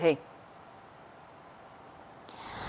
hội đồng xét xử